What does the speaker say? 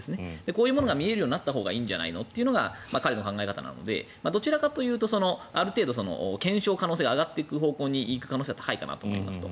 こういうものが見えるようになったほうがいいんじゃないのっていうのが彼の考え方なのでどちらかというとある程度、検証可能性が上がっていく方向に行くと。